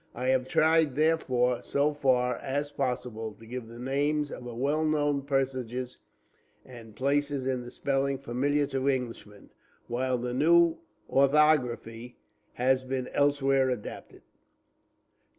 I have tried, therefore, so far as possible, to give the names of well known personages and places in the spelling familiar to Englishmen, while the new orthography has been elsewhere adopted.